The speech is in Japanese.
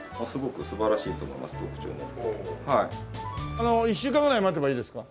あの１週間ぐらい待てばいいですか？